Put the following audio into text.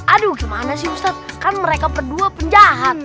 aduh gimana sih ustadz kan mereka berdua penjahat